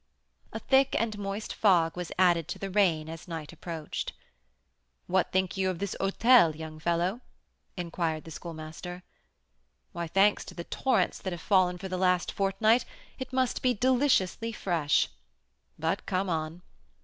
A thick and moist fog was added to the rain as night approached. "What think you of this hôtel, young fellow?" inquired the Schoolmaster. "Why, thanks to the torrents that have fallen for the last fortnight, it must be deliciously fresh. But come on."